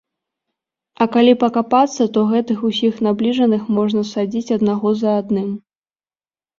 А калі пакапацца, то гэтых усіх набліжаных можна садзіць аднаго за адным.